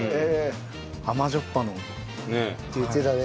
甘じょっぱの。って言ってたね。